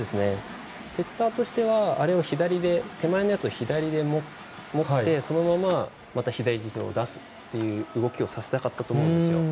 セッターとしては手前のやつを左で持ってそのまま、また左手を出すという動きをさせたかったと思うんですよ。